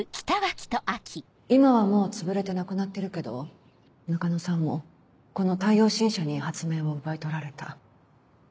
今はもうつぶれてなくなってるけど中野さんもこの太陽新社に発明を奪い取られた。